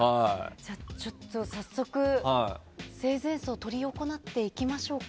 早速、生前葬を執り行っていきましょうか。